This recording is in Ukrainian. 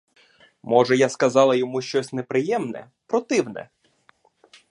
Може, я сказала йому щось неприємне, противне?